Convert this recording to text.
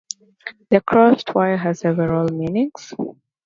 The crossed-Y has several meanings.